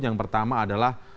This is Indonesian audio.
yang pertama adalah